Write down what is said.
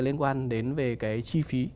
liên quan đến về cái chi phí